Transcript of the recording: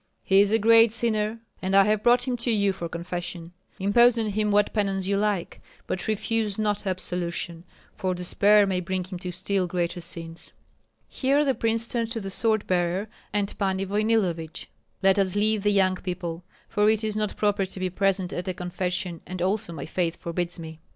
"He is a great sinner, and I have brought him to you for confession. Impose on him what penance you like, but refuse not absolution, for despair may bring him to still greater sins." Here the prince turned to the sword bearer and Pani Voynillovich: "Let us leave the young people, for it is not proper to be present at a confession, and also my faith forbids me."